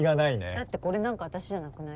だってこれ何か私じゃなくない？